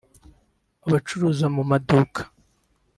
abacuruza mu maduka